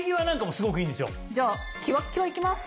じゃあきわっきわいきます。